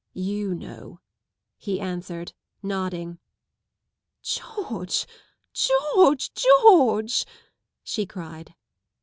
You know," he answered, nodding. " George, George, Georgel" she cried.